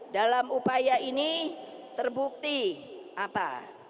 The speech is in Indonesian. dalam upaya ini terbukti apa